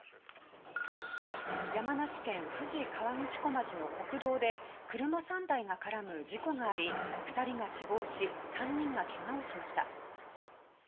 山梨県富士河口湖町の国道で車３台が絡む事故があり２人が死亡し３人がけがをしました。